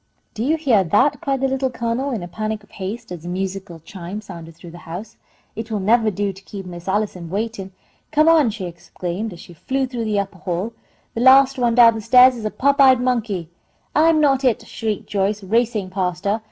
"Do you heah that?" cried the Little Colonel, in a panic of haste, as the musical chime sounded through the house. "It will nevah do to keep Miss Allison waitin'! Come on!" she exclaimed, adding, as she flew through the upper hall, "The last one down the stairs is a pop eyed monkey!" "I'm not it!" shrieked Joyce, racing past her.